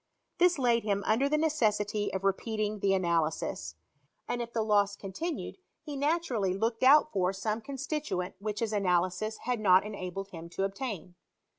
This laid him under the necessity of repeating the analysis ; and if the loss pontinued, he naturally looked out for 200 HisTOttv op CHEVianiT. some constituent wbicli his analysis had not enabled bira to obtain.